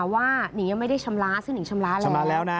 ว่านิ่งยังไม่ได้ชำระซึ่งนิ่งชำระแล้ว